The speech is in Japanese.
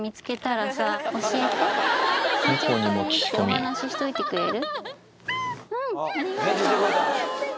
お話しといてくれる？